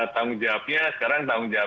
tanggung jawabnya sekarang